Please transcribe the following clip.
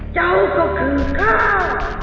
เจ้าก็คือข้าว